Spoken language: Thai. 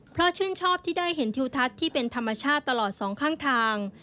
เพราะชื่นชอบที่ได้เห็นทิวทัศน์ที่เป็นธรรมชาติตลอดสองข้างทาง